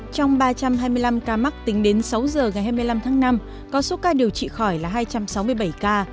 trong ba trăm hai mươi năm ca mắc tính đến sáu giờ ngày hai mươi năm tháng năm có số ca điều trị khỏi là hai trăm sáu mươi bảy ca